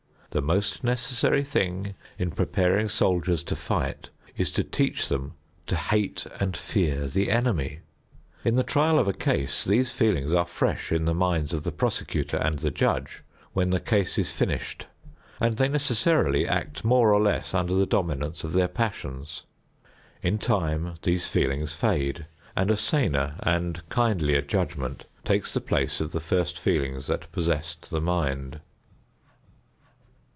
The most necessary thing in preparing soldiers to fight, is to teach them to hate and fear the enemy. In the trial of a case, these feelings are fresh in the minds of the prosecutor and the judge when the case is finished, and they necessarily act more or less under the dominance of their passions. In time these feelings fade, and a saner and kindlier judgment takes the place of the first feelings that possessed the mind.